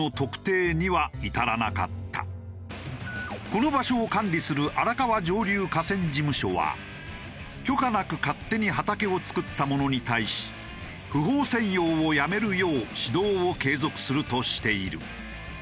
この場所を管理する荒川上流河川事務所は許可なく勝手に畑を作った者に対し不法占用をやめるよう指導を継続するとしている。